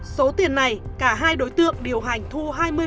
số tiền này cả hai đối tượng điều hành thu hai mươi